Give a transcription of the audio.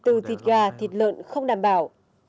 từ thịt gà thịt lợn không đảm bảo